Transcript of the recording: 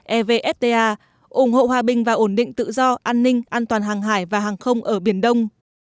evfta ủng hộ hòa bình và ổn định tự do an ninh an toàn hàng hải và hàng không ở biển đông